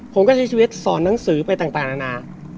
ผมก็ใช้ชีวิตสอนหนังสือไปต่างนานา